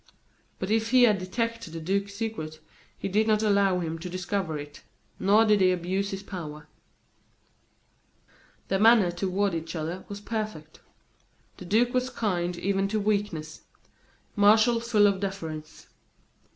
But if he had detected the duke's secret, he did not allow him to discover it, nor did he abuse his power. Their manner toward each other was perfect. The duke was kind even to weakness; Martial full of deference.